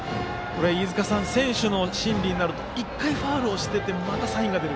飯塚さん、選手の心理になると１回ファウルになるとまたサインが出る。